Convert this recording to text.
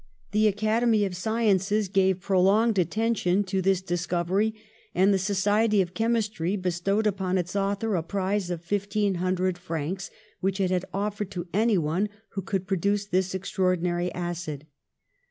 The Academy of Sciences gave prolonged attention to this discovery, and the Society of Chemistry bestowed upon its author a prize of fifteen hundred francs, which it had offered to anyone who should produce this ex traordinary acid.